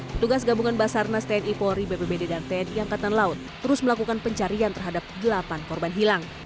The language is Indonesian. petugas gabungan basarnas tni polri bpbd dan tni angkatan laut terus melakukan pencarian terhadap delapan korban hilang